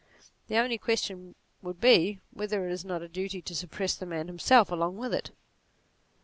The only question would be whether it is not a duty to suppress the man himself along with it.